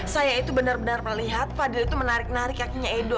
saya itu benar benar melihat fadil itu menarik narik kakinya edo